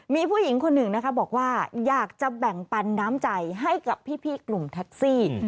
มีผู้หญิงคนหนึ่งนะคะบอกว่าอยากจะแบ่งปันน้ำใจให้กับพี่กลุ่มแท็กซี่